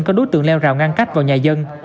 có đối tượng leo rào ngang cách vào nhà dân